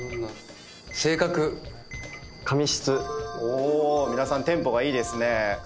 お皆さんテンポがいいですね。